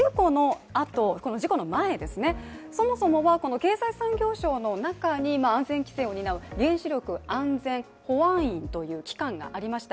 事故の前、そもそもは経済産業省の中に安全規制を担う原子力安全保安院という機関がありました。